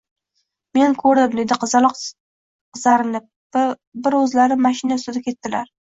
— Men ko‘rdim, — deydi qizaloq qizarinib. — Bir o‘zlari mashina ustida ketdilar…